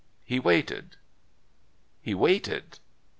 He waited. He waited.